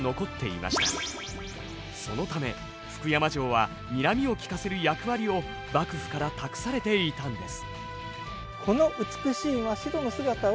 そのため福山城はにらみを利かせる役割を幕府から託されていたんです。